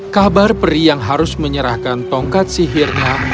kabar peri yang harus menyerahkan tongkat sihirnya